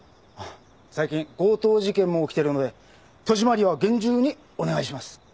最近強盗事件も起きているので戸締まりは厳重にお願いします。